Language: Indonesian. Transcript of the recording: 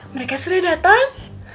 mereka sudah datang